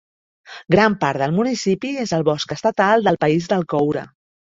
Gran part del municipi és el Bosc Estatal del País del Coure.